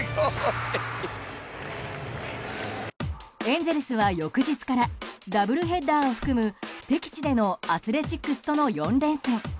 エンゼルスは翌日からダブルヘッダーを含む敵地でのアスレチックスとの４連戦。